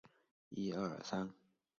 能够完成漫步及部份快步。